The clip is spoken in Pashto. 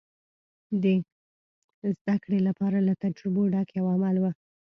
د زدهکړې لپاره له تجربو ډک یو عمل و.